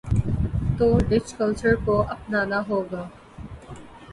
تو Dutch culture کو اپنا نا ہو گا۔